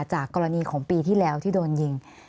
จากกรณีของปีที่แล้วที่โดนยิง